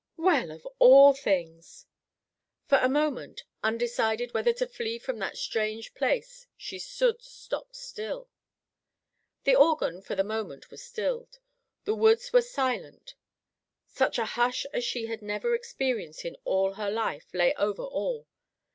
"Well, of all things!" For a moment, undecided whether to flee from that strange place, she stood stock still. The organ, for the moment, was stilled. The woods were silent. Such a hush as she had never experienced in all her life lay over all.